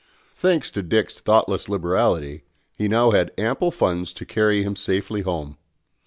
Thanks to Dick's thoughtless liberality, he had now ample funds to carry him safely home.